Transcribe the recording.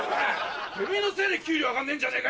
てめぇのせいで給料上がんねえんじゃねぇかよ！